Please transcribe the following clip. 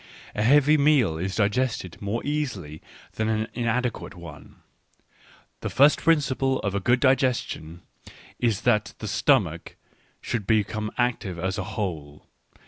A heavy meal is digested more easily than an inadequate one. The first principle of a good digestion is that the stomach should become active as a whole.